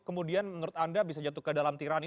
kemudian menurut anda bisa jatuh ke dalam tirani